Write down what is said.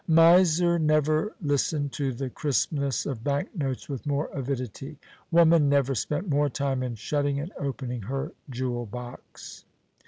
Miser never listened to the crispness of bank notes with more avidity; woman never spent more time in shutting and opening her jewel box.